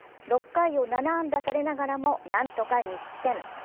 ６回を７安打されながらも何とか２失点。